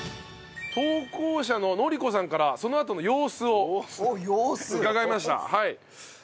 投稿者の典子さんからそのあとの様子を伺いました。